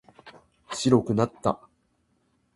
トンネルを抜けるとそこは雪国であった。夜の底が白くなった